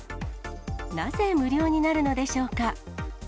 なぜ無料になるのでしょうか。